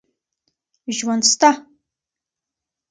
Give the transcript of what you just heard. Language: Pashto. ژوند سته.